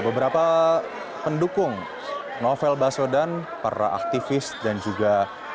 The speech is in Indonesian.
beberapa pendukung novel baswedan para aktivis dan juga